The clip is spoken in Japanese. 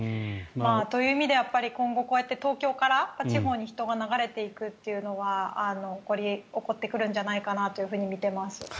という意味で、今後こうやって東京から地方へ人が流れていくというのは起こってくるんじゃないかなというふうにみています。